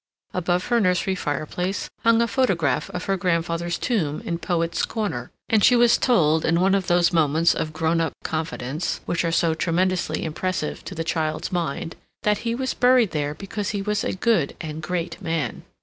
Above her nursery fireplace hung a photograph of her grandfather's tomb in Poets' Corner, and she was told in one of those moments of grown up confidence which are so tremendously impressive to the child's mind, that he was buried there because he was a "good and great man."